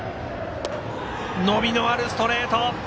伸びのあるストレート。